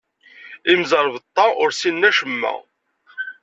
Imẓerbeḍḍa ur ssinen acemma.